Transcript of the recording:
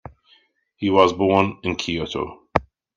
He was born in Kyoto.